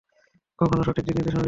কখনো সঠিক দিক নির্দেশনা দেননি আমাকে।